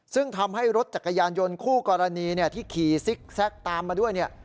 ซึ่งทำให้รถจักรยานยนต์คู่กรณีที่ขี่ซิกแซคตามมาด้วยเนี่ย